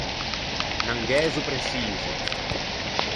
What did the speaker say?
Un angæzo preçiso.